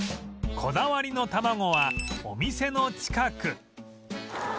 こだわりの卵はお店の近く